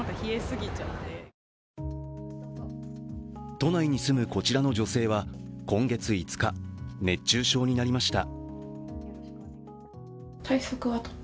都内に住むこちらの女性は今月５日、熱中症になりました。